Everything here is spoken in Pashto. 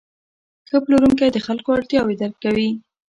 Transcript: ښه پلورونکی د خلکو اړتیاوې درک کوي.